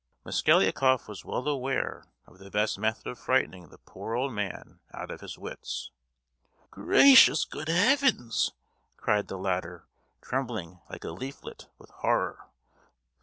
Mosgliakoff was well aware of the best method of frightening the poor old man out of his wits. "Gracious heavens!" cried the latter, trembling like a leaflet with horror.